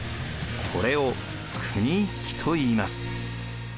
これを国一揆といいます。